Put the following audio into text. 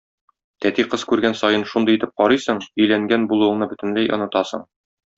Тәти кыз күргән саен шундый итеп карыйсың, өйләнгән булуыңны бөтенләй онытасың!